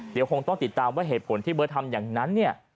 เดี๋ยวคงต้องติดตามว่าเหตุผลที่เบิร์ตทำอย่างนั้นเนี่ย